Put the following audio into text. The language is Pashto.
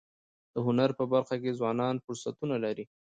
د هنر په برخه کي ځوانان فرصتونه لري.